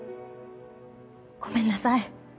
ごめんなさい